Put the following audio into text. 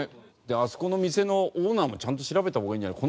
あそこの店のオーナーもちゃんと調べた方がいいんじゃない？